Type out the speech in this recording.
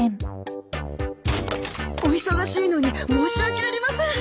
お忙しいのに申し訳ありません。